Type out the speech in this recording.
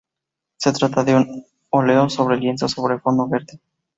Se trata de un óleo sobre lienzo sobre fondo verde.